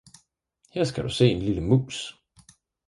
her skal du se en lille mus!